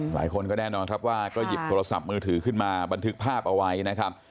หลายคนก็แน่นอนครับว่าก็หยิบโทรศัพท์มือถือขึ้นมาบันทึกภาพเอาไว้นะครับ